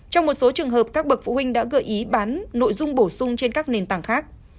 trong một số trường hợp các bậc phụ huynh đã gợi ý bán nội dung bổ sung trên các nền tảng khác